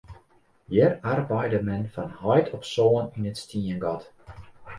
Hjir arbeide men fan heit op soan yn it stiengat.